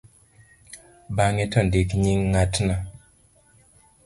bang'e to ndik nying' ng'atno